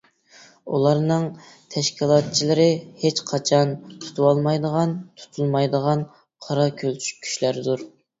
ئۇلارنىڭ تەشكىلاتچىلىرى ھېچ قاچان تۇتۇۋالمايدىغان، تۇتۇلمايدىغان قارا كۈچلەردۇر.